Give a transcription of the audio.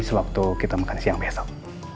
sewaktu kita makan siang besok